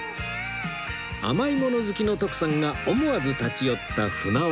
甘いもの好きの徳さんが思わず立ち寄った舟和